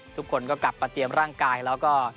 ทุกคนก็กลับมาเตรียมร่างกายแล้วก็